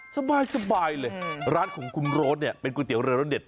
สบายเลยร้านของคุณโรสเป็นก๋วยเตี๋ยวเรือร้อนเด็ด